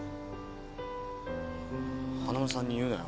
花村さんに言うなよ。